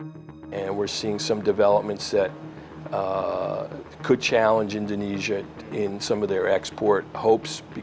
dan kita melihat beberapa perkembangan yang bisa mencabar indonesia dalam beberapa harapan ekspor mereka